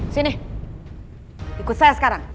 sini ikut saya sekarang